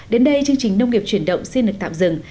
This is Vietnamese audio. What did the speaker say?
đến đây chương trình nông nghiệp chuyển động xin được tạm dừng